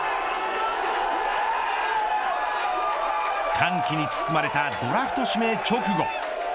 歓喜に包まれたドラフト指名直後